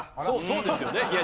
そうですよね。